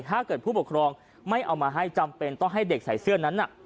ถ้าเกิดผู้ปกครองไม่เอามาให้จำเป็นต้องให้เด็กใส่เสื้อนั้น